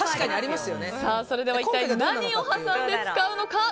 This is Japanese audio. それでは一体何を挟んで使うのか。